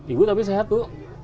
ibu tapi sehat bu